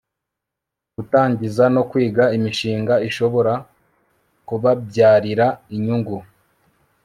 gutangiza no kwiga imishinga ishobora kubabyrira inyungu